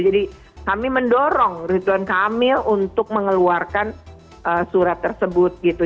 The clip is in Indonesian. jadi kami mendorong ridwan kamil untuk mengeluarkan surat tersebut gitu